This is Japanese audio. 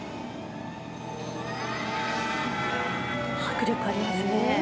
迫力ありますね。